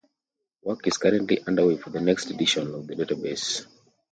Work is currently underway for the next edition of the database.